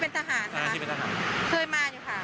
ที่เป็นทหารครับ